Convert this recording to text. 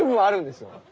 あるんですよ。